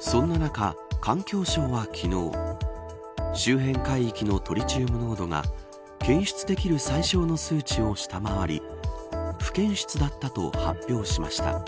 そんな中、環境省は昨日周辺海域のトリチウム濃度が検出できる最小の数値を下回り不検出だったと発表しました。